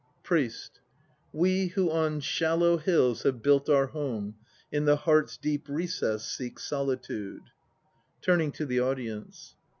PRIEST. We who on shallow hills * have built our home In the heart's deep recess seek solitude. (Turning to the audience.)